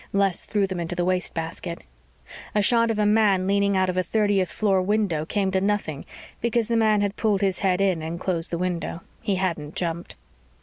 Les threw them into the wastebasket. A shot of a man leaning out of a thirtieth floor window came to nothing because the man had pulled his head in and closed the window. He hadn't jumped.